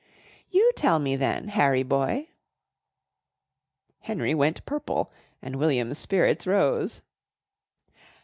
"You tell me then, Harry boy." Henry went purple and William's spirits rose.